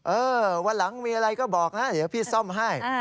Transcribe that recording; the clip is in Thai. วันหลังมีอะไรก็บอกนะเดี๋ยวพี่ซ่อมให้